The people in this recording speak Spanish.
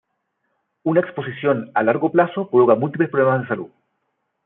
Una exposición a largo plazo provoca múltiples problemas de salud.